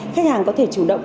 khách hàng có thể chủ động